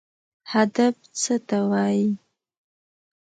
هدف څه ته وایي؟